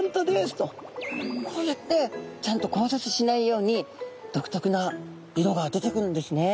こうやってちゃんと交雑しないように独特な色が出てくるんですね。